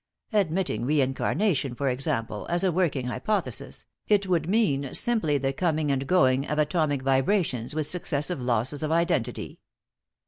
Admitting reincarnation, for example, as a working hypothesis, it would mean simply the coming and going of atomic vibrations with successive losses of identity.